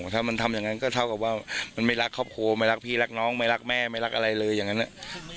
ถ้ามันทำอย่างนั้นก็เท่ากับว่ามันไม่รักครอบครัวไม่รักพี่รักน้องไม่รักแม่ไม่รักอะไรเลยอย่างนั้น